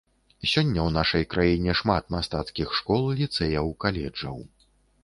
Сёння ў нашай краіне шмат мастацкіх школ, ліцэяў, каледжаў.